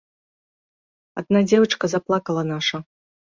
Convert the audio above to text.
Адна дзевачка заплакала наша.